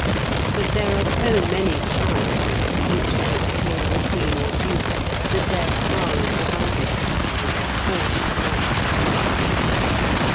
But there are so many tribes, each with its king, queen, or duke, that their power is divided, and their force melts away.